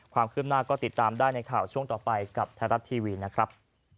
ความคืบหน้าก็ติดตามได้ในข่าวช่วงต่อไปกับไทยรัฐทีวีนะครับ